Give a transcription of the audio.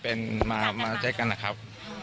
ันโลกหน้าีโค่นครับ